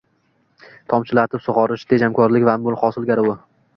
Tomchilatib sug‘orish – tejamkorlik va mo‘l hosil garovi